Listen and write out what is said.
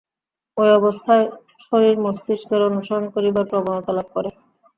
ঐ অবস্থায় শরীর মস্তিষ্কের অনুসরণ করিবার প্রবণতা লাভ করে।